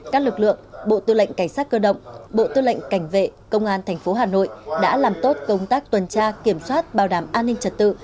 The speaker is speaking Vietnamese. các lực lượng bộ tư lệnh cảnh sát cơ động bộ tư lệnh cảnh vệ công an tp hà nội đã làm tốt công tác tuần tra kiểm soát bảo đảm an ninh trật tự